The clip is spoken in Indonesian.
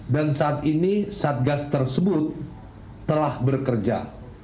saat ini satgas tersebut telah bekerja